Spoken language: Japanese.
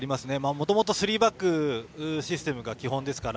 もともとスリーバックシステムが基本ですから。